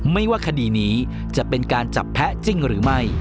ไม่ว่าคดีนี้จะเป็นการจับแพ้จริงหรือไม่